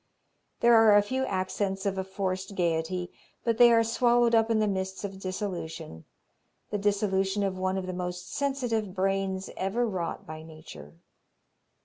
There are a few accents of a forced gayety, but they are swallowed up in the mists of dissolution the dissolution of one of the most sensitive brains ever wrought by nature.